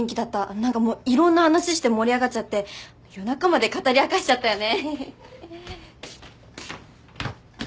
何かもういろんな話して盛り上がっちゃって夜中まで語り明かしちゃったよね。